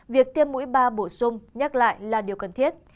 việc tiêm mũi ba bổ sung nhắc lại là điều cần thiết